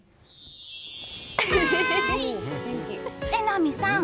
榎並さん